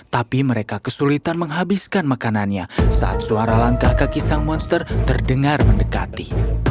tapi mereka kesulitan menghabiskan makanannya saat suara langkah kaki sang monster terdengar mendekati